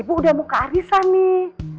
ibu udah mau ke arissa nih